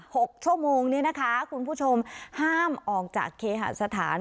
หกชั่วโมงนี้นะคะคุณผู้ชมห้ามออกจากเคหสถาน